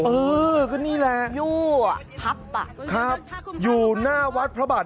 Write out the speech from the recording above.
เออก็นี่แหละครับอยู่หน้าวัดพระบาทครับอยู่หน้าวัดพระบาท